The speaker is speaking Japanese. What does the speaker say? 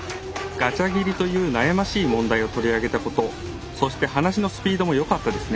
ガチャ切りという悩ましい問題を取り上げたことそして話のスピードもよかったですね！